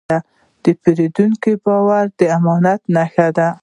د پیرودونکي باور د امانت نښه ده.